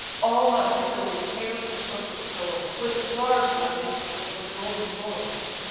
All night Achilles hails Patroclus' soul, With large libations from the golden bowl.